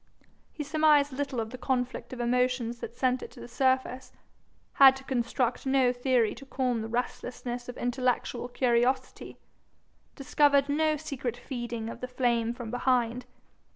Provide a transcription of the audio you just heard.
He surmised little of the conflict of emotions that sent it to the surface, had to construct no theory to calm the restlessness of intellectual curiosity, discovered no secret feeding of the flame from behind.